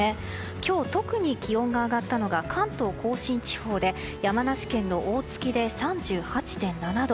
今日、特に気温が上がったのが関東・甲信地方で山梨県の大月で３８．７度。